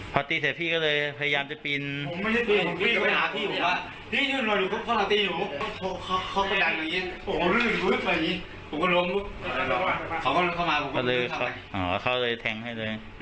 เขาก็เลยเจอกับไอ้ฝรั่งของนายเล็กเอาเลยแทงไว้